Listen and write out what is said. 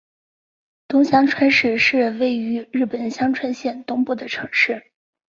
东香川市是位于日本香川县东部的城市。